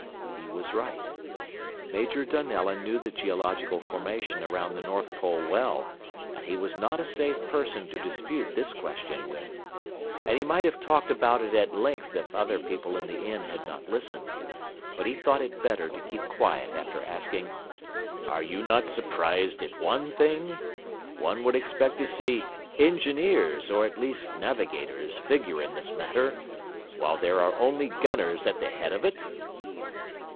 He was right. Major Donellan knew the geological formation around the North Pole well, and he was not a safe person to dispute this question with. And he might have talked about it at length if other people in the inn had not listened. But he thought it better to keep quiet after asking: "Are you not surprised at one thing? One would expect to see engineers or at least navigators figure in this matter, while there are only gunners at the head of it?"